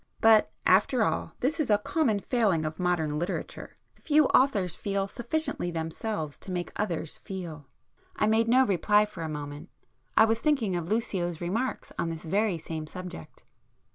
But after all this is a common failing of modern literature; few authors feel sufficiently themselves to make others feel." I made no reply for a moment. I was thinking of Lucio's remarks on this very same subject.